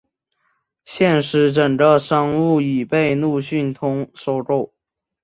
现时整个业务已被路讯通收购。